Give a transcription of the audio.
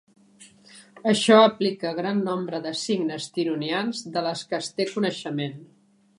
Això aplica gran nombre de signes tironians de les que es té coneixement.